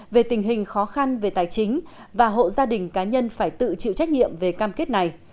về tình hình khó khăn về tài chính và hộ gia đình cá nhân phải tự chịu trách nhiệm về cam kết này